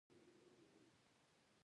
کچالو د چمن په سیمو کې ښه کرل کېږي